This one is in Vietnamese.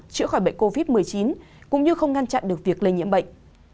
chữa khỏi bệnh covid một mươi chín cũng như không ngăn chặn được việc lây nhiễm bệnh